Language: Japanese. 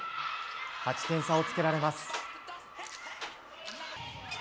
８点差をつけられます。